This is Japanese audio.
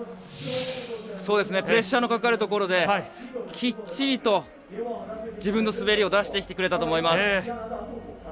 プレッシャーのかかるところできっちりと自分の滑りを出してくれたと思います。